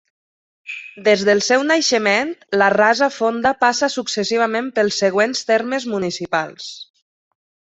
Des del seu naixement, la Rasa Fonda passa successivament pels següents termes municipals.